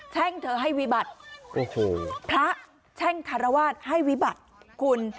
แช่งเธอให้วิบัติพระแช่งธรวาสให้วิบัติคุณ